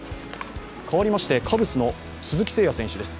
変わりましてカブスの鈴木誠也選手です。